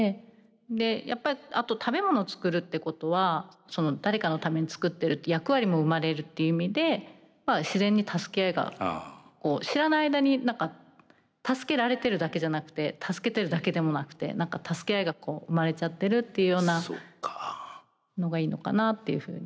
でやっぱりあと食べ物作るってことは誰かのために作ってるって役割も生まれるっていう意味で自然に助け合いが知らない間に何か助けられてるだけじゃなくて助けてるだけでもなくて何か助け合いが生まれちゃってるっていうようなのがいいのかなっていうふうに。